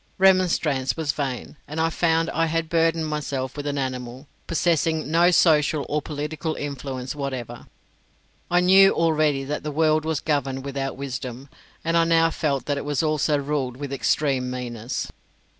Remonstrance was vain, and I found I had burdened myself with an animal, possessing no social or political influence whatever. I knew already that the world was governed without wisdom, and I now felt that it was also ruled with extreme meanness.